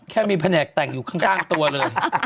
แค่มีแผนกแต่งอยู่ข้างตัวเลย